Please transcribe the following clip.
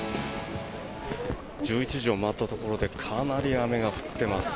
１１時を回ったところでかなり雨が降っています。